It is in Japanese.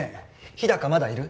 日高まだいる？